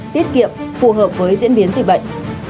tiết kiệm phù hợp với diễn biến dịch bệnh